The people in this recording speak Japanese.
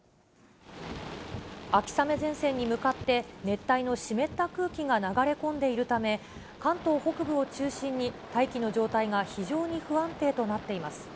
秋雨前線に向かって、熱帯の湿った空気が流れ込んでいるため、関東北部を中心に、大気の状態が非常に不安定となっています。